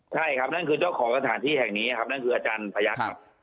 ใช่ครับนั่นคือเจ้าของสถานที่แห่งนี้ครับนั่นคืออาจารย์พยักษ์ครับ